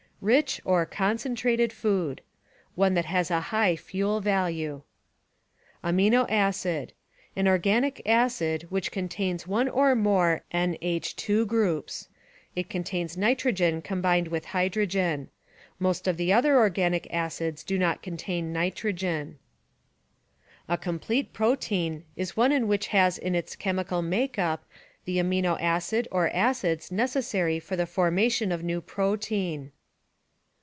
Rich or concentrated food — One that has a high fuel value. Amino acid — An organic acid which contains one or more NH2 groups; it contains nitrogen combined with hydrogen. Most of the other organic acids do not contain nitrogen. A complete protein is one which has in its chemical make up the amino acid or acids necessary for the formation of new protein.